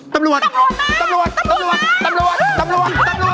ตำรวจตำรวจตำรวจมา